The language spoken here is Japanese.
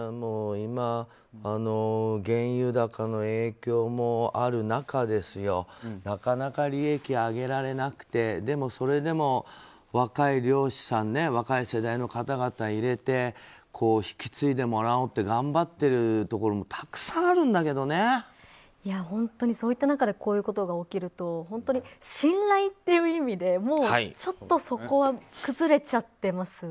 今、原油高の影響もある中ですよなかなか利益を上げられなくてでも、それでも若い漁師さん若い世代の方々を入れて引き継いでもらおうって頑張ってるところも本当にそういった中でこういうことが起きると本当に信頼っていう意味でもう、ちょっとそこは崩れちゃってますよね。